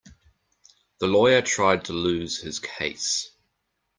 The lawyer tried to lose his case.